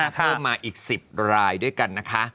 เพิ่มมาอีก๑๐รายด้วยกันนะคะ